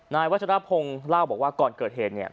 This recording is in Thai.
นายวัชรพงศ์เล่าบอกว่าก่อนเกิดเหตุเนี่ย